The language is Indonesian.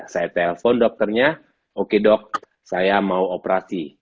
saya telpon dokternya oke dok saya mau operasi